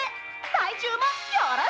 来週もよろしく！」。